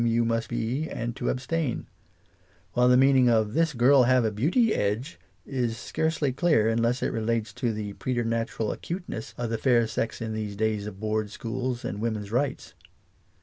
you must be and to abstain '*; while the mean ing of "This girl have a beauty edge" is scarcely clear unless it relates to the preternat ural acuteness of the fair sex in these days of board schools and woman's rights.